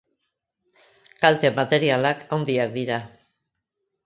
Kalte materialak handiak dira.